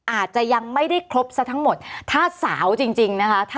อาจจะยังไม่ได้ครบซะทั้งหมดถ้าสาวจริงนะคะ